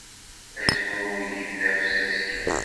Azmumeg d afessas kan.